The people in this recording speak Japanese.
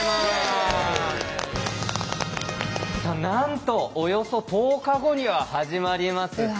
なんとおよそ１０日後には始まります